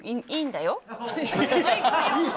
いいんだよ。